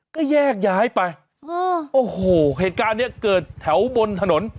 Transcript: ก็แยกย้ายไปโอ้โหเหตุการณ์เนี้ยเกิดแถวบนถนน